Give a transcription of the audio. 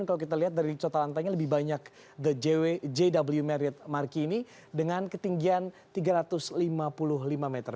dan kalau kita lihat dari total lantainya lebih banyak jw marriott marquee ini dengan ketinggian tiga ratus lima puluh lima meter